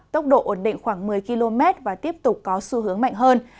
tốc độ ổn định khoảng một mươi km và tiếp tục có xu hướng mạnh hơn